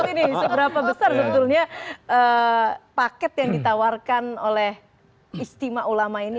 seberapa besar sebetulnya paket yang ditawarkan oleh ijtima ulama ini